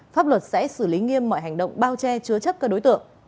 pháp luật sẽ xử lý nghiêm mọi hành động bao che chứa chấp các đối tượng